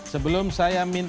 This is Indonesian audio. sebelum saya minta tanggapan